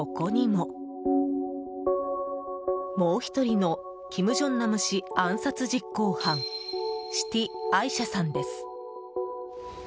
もう１人の金正男氏暗殺実行犯シティ・アイシャさんです。